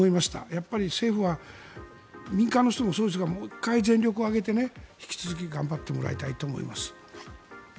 やっぱり政府は民間の人もそうですがもう一回全力を挙げて引き続き頑張ってもらいたいと思います。